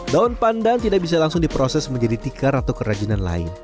daun pandan tidak bisa langsung diproses menjadi tikar atau kerajinan lain